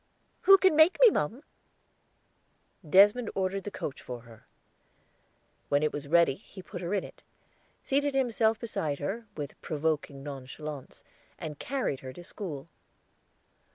"Who can make me, mum?" Desmond ordered the coach for her. When it was ready he put her in it, seated himself beside her, with provoking nonchalance, and carried her to school.